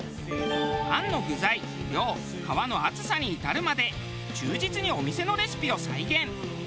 あんの具材量皮の厚さに至るまで忠実にお店のレシピを再現。